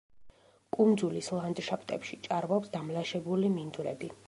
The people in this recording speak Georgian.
კუნძულის ლანდშაფტებში ჭარბობს დამლაშებული მინდვრები.